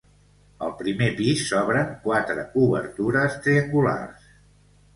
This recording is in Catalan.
Al primer pis s'obren quatre obertures triangulars.